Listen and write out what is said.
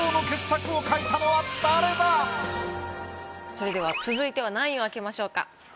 それでは続いては何位を開けましょうか？